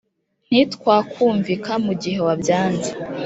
nti twakumvika mugihe wabyanze